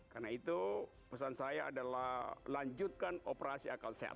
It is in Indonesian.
karena itu pesan saya adalah lanjutkan operasi akal sehat